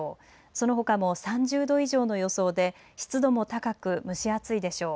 そのほかも３０度以上の予想で湿度も高く蒸し暑いでしょう。